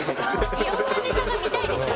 「いろんなネタが見たいですよね